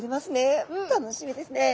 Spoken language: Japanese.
楽しみですね。